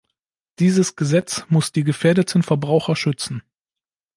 Dieses Gesetz muss die gefährdeten Verbraucher schützen.